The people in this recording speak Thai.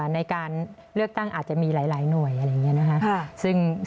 ในการเลือกตั้งอาจจะมีหลายหน่วยอะไรอย่างนี้นะคะ